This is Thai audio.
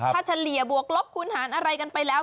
ถ้าเฉลี่ยบวกลบคูณหารอะไรกันไปแล้ว